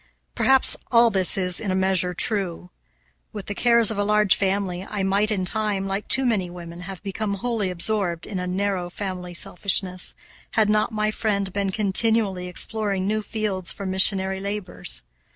Perhaps all this is, in a measure, true. With the cares of a large family I might, in time, like too many women, have become wholly absorbed in a narrow family selfishness, had not my friend been continually exploring new fields for missionary labors.